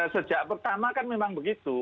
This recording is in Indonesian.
sejak pertama kan memang begitu